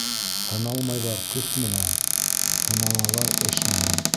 Һыналмайҙар төҫ менән, һыналалар эш менән.